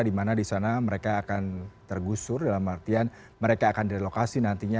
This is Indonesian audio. dimana disana mereka akan tergusur dalam artian mereka akan dilokasi nantinya